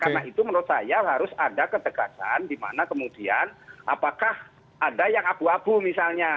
karena itu menurut saya harus ada ketegasan di mana kemudian apakah ada yang abu abu misalnya